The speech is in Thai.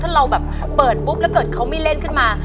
ถ้าเราแบบตื่นปุ้บแล้วเขามีเล่นขึ้นมา